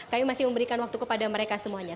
kami masih memberikan waktu kepada mereka semuanya